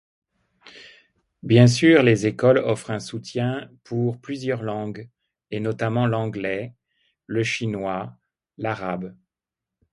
Bien sûr les écoles offrent un soutien pour plusieurs langues, et notamment l'anglais, le chinois, l'arabe.